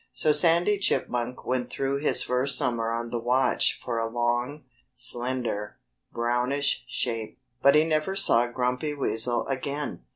So Sandy Chipmunk went through his first summer on the watch for a long, slender, brownish shape. But he never saw Grumpy Weasel again.